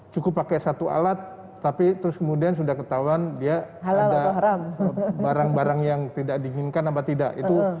cukup pakai satu alat tapi terus kemudian sudah ketahuan dia ada barang barang yang tidak diinginkan apa tidak itu